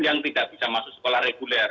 yang tidak bisa masuk sekolah reguler